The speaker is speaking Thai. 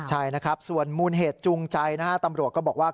ใช่ส่วนมูลเหตุจูงใจตำรวจก็บอกว่า